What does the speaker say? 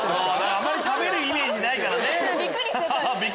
あまり食べるイメージないからね。